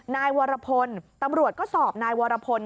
นายวรพลตำรวจก็สอบนายวรพล